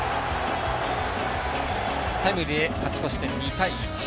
タイムリーで勝ち越して２対１。